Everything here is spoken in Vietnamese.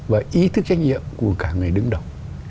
và ý thức trách nhiệm của cả người đứng đầu